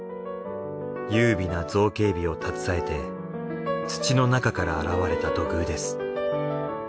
優美な造形美を携えて土の中から現れた土偶です。